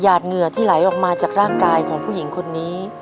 ดเหงื่อที่ไหลออกมาจากร่างกายของผู้หญิงคนนี้